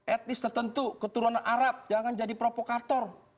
etnis tertentu keturunan arab jangan jadi provokator